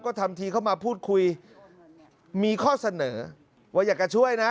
ก็ทำทีเข้ามาพูดคุยมีข้อเสนอว่าอยากจะช่วยนะ